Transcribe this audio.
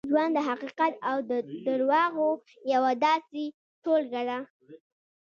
ژوند د حقیقت او درواغو یوه داسې ټولګه ده.